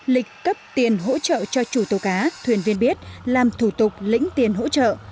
lịch cấp tiền hỗ trợ cho chủ tàu cá thuyền viên biết làm thủ tục lĩnh tiền hỗ trợ